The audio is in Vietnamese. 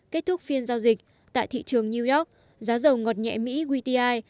kết thúc phiên giao dịch tại thị trường new york giá dầu ngọt nhẹ mỹ wti